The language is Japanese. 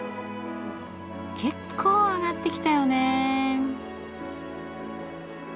結構上がってきたよね。